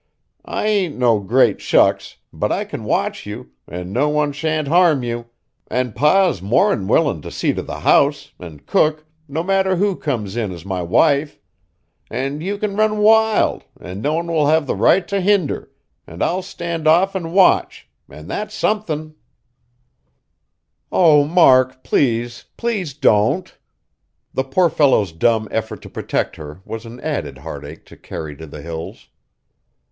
I ain't no great shucks, but I can watch you, an' no one sha'n't harm you; an' Pa's more'n willin' t' see t' the house, an' cook, no matter who comes in as my wife; an' you kin run wild, an' no one will have the right t' hinder, an' I'll stand off an' watch, an' that's somethin'!" "Oh, Mark, please, please don't!" The poor fellow's dumb effort to protect her was an added heartache to carry to the Hills.